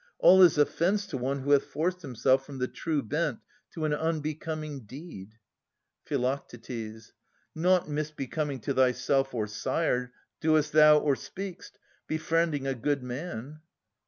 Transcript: All is offence to one who hath forced himself From the true bent to an unbecoming deed. Phi. Nought misbecoming to thyself or sire Doest thou or speak'st, befriending a good man.